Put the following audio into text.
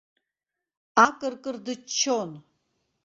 Акыркыр дыччон.